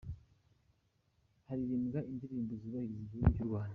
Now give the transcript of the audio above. Haririmbwa indirimbo yubahiriza igihugu cy'u Rwanda.